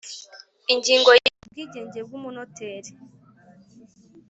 Ingingo ya Ubwigenge bw umunoteri